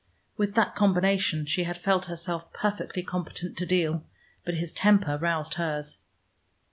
With that combination she had felt herself perfectly competent to deal. But his temper roused hers.